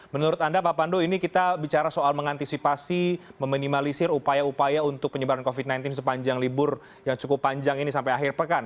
menurut anda pak pandu ini kita bicara soal mengantisipasi meminimalisir upaya upaya untuk penyebaran covid sembilan belas sepanjang libur yang cukup panjang ini sampai akhir pekan